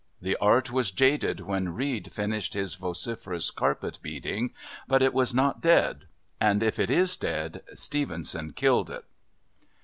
The art was jaded when Reade finished his vociferous carpet beating; but it was not dead. And if it is dead, Stevenson killed it!"